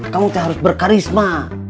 kamu harus berkarisma